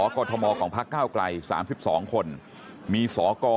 ไปพบผู้ราชการกรุงเทพมหานครอาจารย์ชาติชาติชาติชาติฝิทธิพันธ์นะครับ